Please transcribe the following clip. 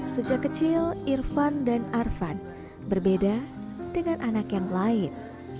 sejak kecil irfan dan arvan berbeda dengan anak yang lain